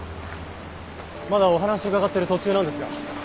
まだお話伺ってる途中なんですが。